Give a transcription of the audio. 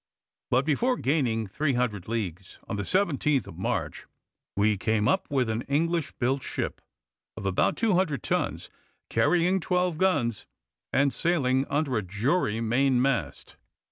But before gaining 300 leagues, on the 17th of March we came up with an English built ship of about 200 tons, carrying twelve guns, and sailing under a jury main mast.